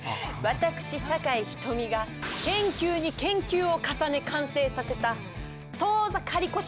私酒井瞳が研究に研究を重ね完成させた当座借越